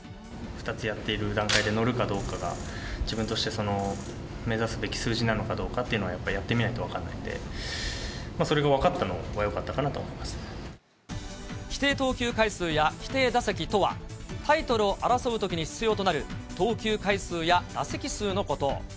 ２つやっている段階で、乗るかどうかが、自分として目指すべき数字なのかどうかっていうのはやっぱり、やってみないと分からないので、それが分かったのがよかったかな規定投球回数や規定打席とは、タイトルを争うときに必要となる投球回数や打席数のこと。